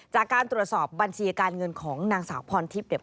จากการตรวจสอบบัญชีการเงินของนางสาวพรทิพย์เนี่ย